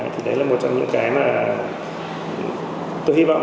thì đấy là một trong những cái mà tôi hy vọng